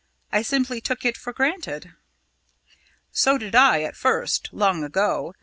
I simply took it for granted." "So did I at first long ago.